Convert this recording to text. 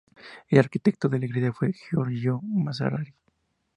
El arquitecto de la iglesia fue Giorgio Massari.